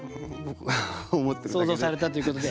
想像されたということで。